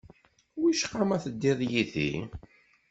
Wicqa ma teddiḍ yid-i?